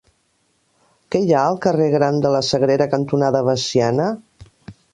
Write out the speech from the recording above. Què hi ha al carrer Gran de la Sagrera cantonada Veciana?